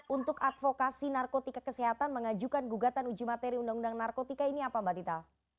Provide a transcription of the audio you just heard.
untuk advokasi narkotika kesehatan mengajukan gugatan uji materi undang undang narkotika ini apa mbak tita